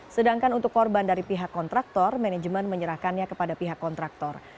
sedangkan untuk korban dari pihak kontraktor manajemen menyerahkannya kepada pihak kontraktor